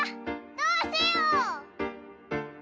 どうしよう」。